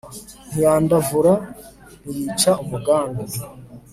ntiyandavura, ntiyica umugambi